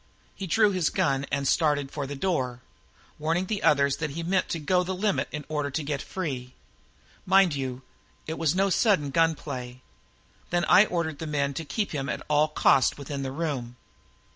He drew his gun and started for the door, warning the others that he meant to go the limit in order to get free. Mind you, it was no sudden gun play. "Then I ordered the men to keep him at all costs within the room.